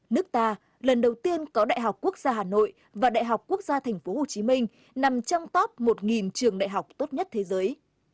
nước ta lần đầu tiên có đại học quốc gia hà nội và đại học quốc gia tp hcm nằm trong top một trường đại học tốt nhất thế giới